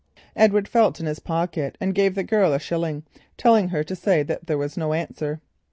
Edward felt in his pocket and gave the girl a shilling, telling her to say that there was no answer.